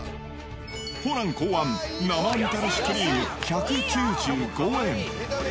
ホラン考案、生みたらしクリーム１９５円。